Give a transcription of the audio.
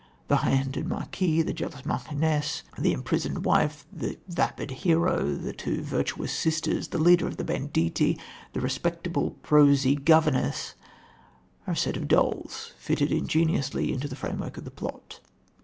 The high handed marquis, the jealous marchioness, the imprisoned wife, the vapid hero, the two virtuous sisters, the leader of the banditti, the respectable, prosy governess, are a set of dolls fitted ingeniously into the framework of the plot.